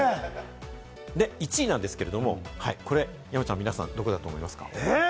１位なんですけれども、これ山ちゃん、皆さん、どこだと思いますか？